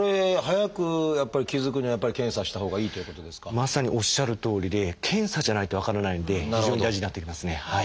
まさにおっしゃるとおりで検査じゃないと分からないので非常に大事になってきますね。